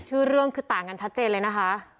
ชื่อเรื่องคือต่างกันชัดเจนเลยนะคะ